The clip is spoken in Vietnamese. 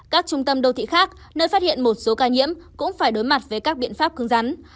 các trung tâm đô thị khác nơi phát hiện một số ca nhiễm cũng phải đối mặt với các biện pháp cứng rắn